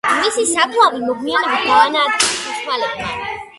მისი საფლავი მოგვიანებით გაანადგურეს ოსმალებმა.